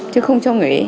chứ không cho người đi